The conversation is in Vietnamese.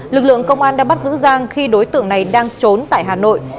lực lượng công an đã bắt giữ giang khi đối tượng này đang trốn tại hà nội